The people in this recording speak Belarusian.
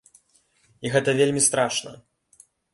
І гэта вельмі страшна!